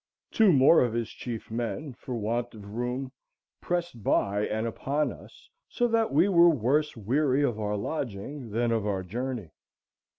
Two more of his chief men, for want of room, pressed by and upon us; so that we were worse weary of our lodging than of our journey."